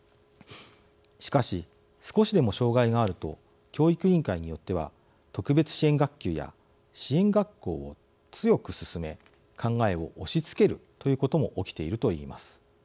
しかし少しでも障害があると教育委員会によっては特別支援学級や支援学校を強く勧め考えを押しつけるということも起きているといいます。